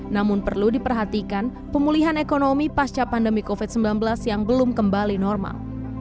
namun perlu diperhatikan pemulihan ekonomi pasca pandemi covid sembilan belas yang belum kembali normal